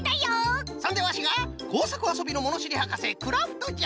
そんでワシがこうさくあそびのものしりはかせクラフトじゃ！